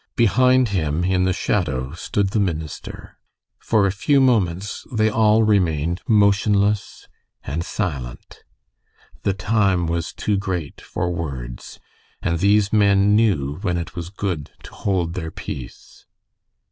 Behind him, in the shadow, stood the minister. For a few moments they all remained motionless and silent. The time was too great for words, and these men knew when it was good to hold their peace.